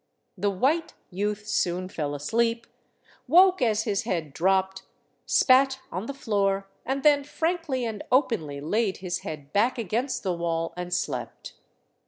The white youth soon fell asleep, woke as his head dropped, spat on the floor, and then frankly and openly laid his head back against the wall and slept.